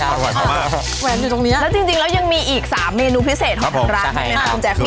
แล้วจริงแล้วยังมีอีก๓เมนูพิเศษของร้านแจ๊ก